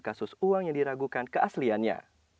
kasus uang yang diragukan keasliannya